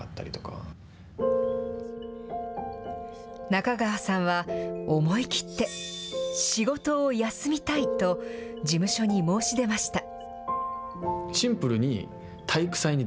中川さんは、思い切って仕事を休みたいと、事務所に申し出ました。